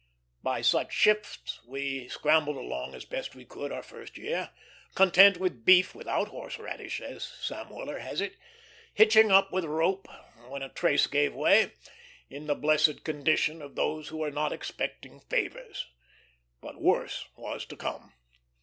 By such shifts we scrambled along as best we could our first year, content with beef without horseradish, as Sam Weller has it; hitching up with rope when a trace gave way, in the blessed condition of those who are not expecting favors. But worse was to come.